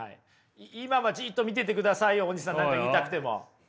今はじっと見ててくださいよ大西さん。何か言いたくても。